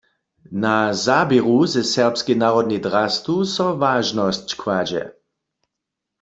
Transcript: Na zaběru ze serbskej narodnej drastu so wažnosć kładźe.